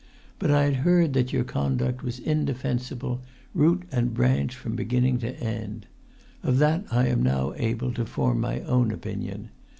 But I had heard that your conduct was indefensible, root and branch, from beginning to end. Of that I am now able to form my own opinion.